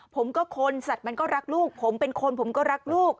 คนสัตว์มันก็รักลูกผมเป็นคนผมก็รักลูก